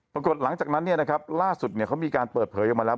ปรากฏหลังจากนั้นล่าสุดเขามีการเปิดเผยออกมาแล้ว